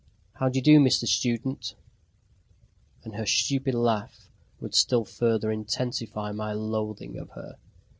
"How d'ye do, Mr. Student!" and her stupid laugh would still further intensify my loathing of her.